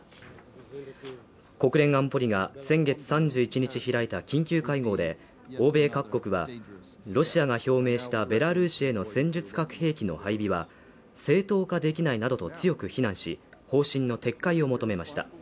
国連安保理が先月３１日開いた緊急会合で、欧米各国はロシアが表明したベラルーシへの戦術核兵器の配備は正当化できないなどと強く非難し、方針の撤回を求めました。